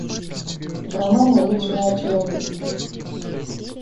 В романе речь шла о человеке